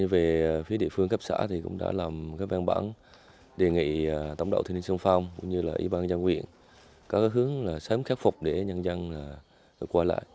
về phía địa phương cấp xã thì cũng đã làm các văn bản đề nghị tổng đạo thiên nhiên sân phong cũng như là y băng dân quyền có hướng sớm khép phục để nhân dân quay lại